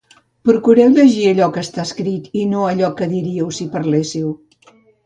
Procureu llegir allò que està escrit i no allò que dirieu si parléssiu.